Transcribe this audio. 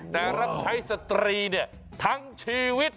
แต่รับใช้สตรีทั้งชีวิต